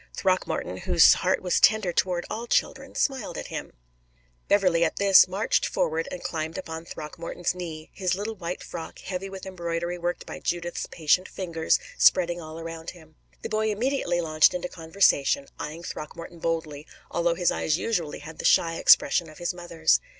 Throckmorton, whose heart was tender toward all children, smiled at him. Beverley at this marched forward and climbed upon Throckmorton's knee, his little white frock, heavy with embroidery worked by Judith's patient fingers, spreading all around him. The boy immediately launched into conversation, eying Throckmorton boldly, although his eyes usually had the shy expression of his mother's.